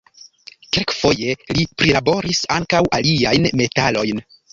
Kelkfoje li prilaboris ankaŭ aliajn metalojn.